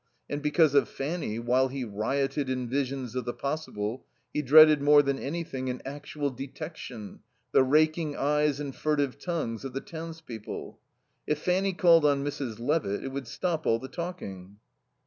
And because of Fanny, while he rioted in visions of the possible, he dreaded more than anything an actual detection, the raking eyes and furtive tongues of the townspeople. If Fanny called on Mrs. Levitt it would stop all the talking.